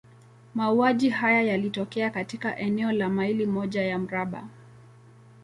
Mauaji haya yalitokea katika eneo la maili moja ya mraba.